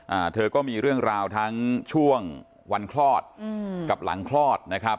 อ่าเธอก็มีเรื่องราวทั้งช่วงวันคลอดอืมกับหลังคลอดนะครับ